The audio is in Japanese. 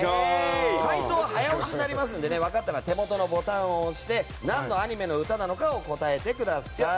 解答は早押しなので分かったら手元のボタンを押して何のアニメの歌なのかを答えてください。